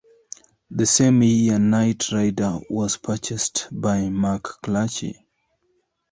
The same year, Knight Ridder was purchased by McClatchy.